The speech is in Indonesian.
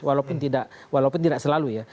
walaupun tidak selalu ya